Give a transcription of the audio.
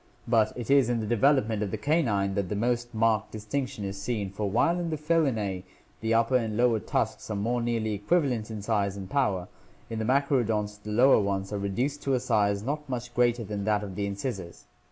But it is in the development of the canine that the most marked distinction is seen, for while in the Felinae the upper and lower tusks are more nearly equivalent in size and power, in the machaerodonts the lower ones are reduced to a size not much greater than that of the incisors.